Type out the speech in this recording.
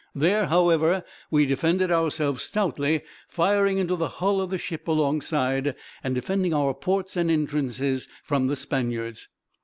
There, however, we defended ourselves stoutly, firing into the hull of the ship alongside, and defending our ports and entrances from the Spaniards.